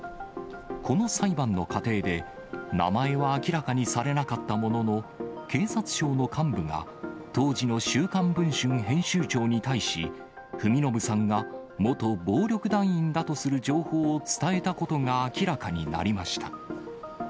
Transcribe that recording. この裁判の過程で、名前は明らかにされなかったものの、警察庁の幹部が当時の週刊文春編集長に対し、文信さんが元暴力団員だとする情報を伝えたことが明らかになりました。